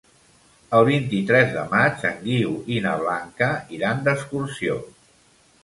El vint-i-tres de maig en Guiu i na Blanca iran d'excursió.